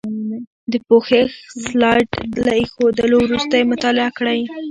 د پوښښ سلایډ له ایښودلو وروسته یې مطالعه کړئ.